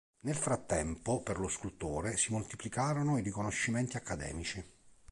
Nel frattempo, per lo scultore si moltiplicarono i riconoscimenti accademici.